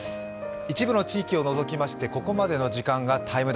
一部の地域を除きまして、ここまでの時間が「ＴＩＭＥ’」。